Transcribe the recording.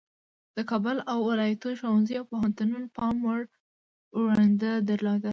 د کابل او ولایاتو ښوونځیو او پوهنتونونو پام وړ ونډه درلوده.